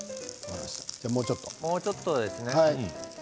もうちょっとですね。